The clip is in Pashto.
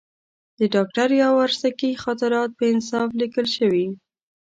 د ډاکټر یاورسکي خاطرات په انصاف لیکل شوي.